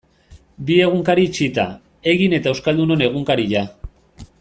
Bi egunkari itxita, Egin eta Euskaldunon Egunkaria.